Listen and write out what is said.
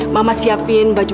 mama siapin baju